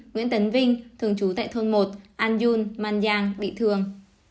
chín nguyễn tấn vinh thường trú tại thôn một an dương màn giang bị thương